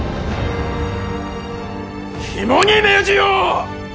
肝に銘じよ！